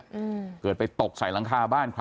สพระพระแดงก็แจ้งขอหาไปนะครับ